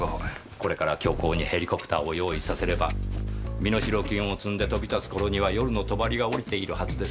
これから強行にヘリコプターを用意させれば身代金を積んで飛び立つ頃には夜の帳が下りているはずです。